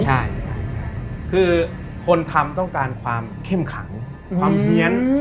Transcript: ใช่คือคนทำต้องการความเข้มขังความเฮียน